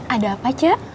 ada apa cik